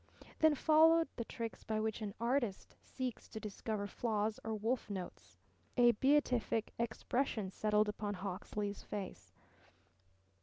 Then followed the tricks by which an artist seeks to discover flaws or wolf notes. A beatific expression settled upon Hawksley face.